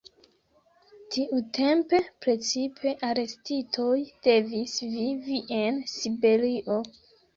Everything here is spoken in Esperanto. Tiutempe precipe arestitoj devis vivi en Siberio.